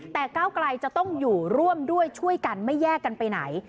แต่ก้าวไกลจะต้องอยู่ร่วมด้วยช่วยกันไม่แยกกันไปไหน